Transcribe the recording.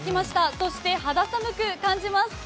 そして肌寒く感じます。